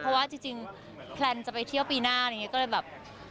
เพราะว่าจริงแพลนจะไปเที่ยวปีหน้าอะไรอย่างนี้ก็เลยแบบ